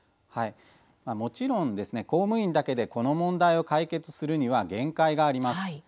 もちろん、公務員だけでこの問題を解決するには限界があります。